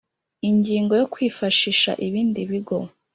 Ingingo ya kwifashisha ibindi bigo